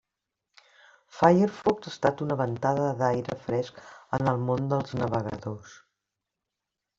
Firefox ha estat una ventada d'aire fresc en el món dels navegadors.